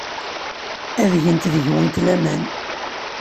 Ad gent deg-went laman.